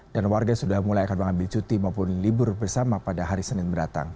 dan warga sudah mulai akan mengambil cuti maupun libur bersama pada hari senin beratang